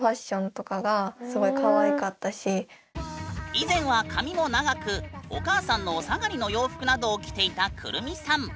以前はお母さんのお下がりの洋服などを着ていたくるみさん。